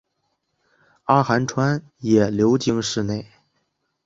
阿寒川也流经市内。